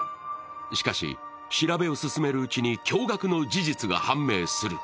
しかし調べを進めるうちに驚がくの事実が判明する。